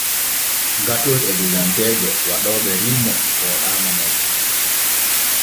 Gatol e gojankeejo waɗooɓe rimmo fooɗaama nope.